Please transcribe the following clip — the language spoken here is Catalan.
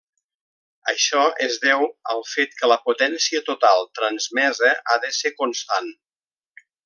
Això es deu al fet que la potència total transmesa ha de ser constant.